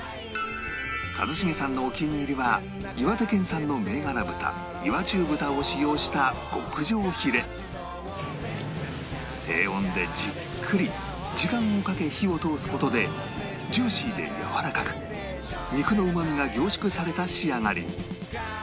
一茂さんのお気に入りは岩手県産の銘柄豚岩中豚を使用した低温でじっくり時間をかけ火を通す事でジューシーでやわらかく肉のうまみが凝縮された仕上がりに